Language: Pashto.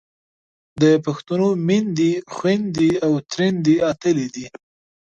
د پښتنو میندې، خویندې او ترېیندې اتلې دي.